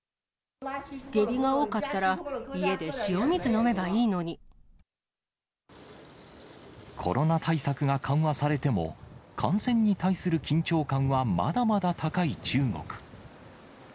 下痢が多かったら、コロナ対策が緩和されても、感染に対する緊張感はまだまだ高い中国。